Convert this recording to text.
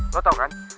lo tau kan